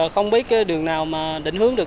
không biết cái đường nào mà định hướng được